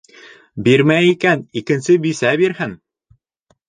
Бирмәй икән, икенсе бисә бирһен!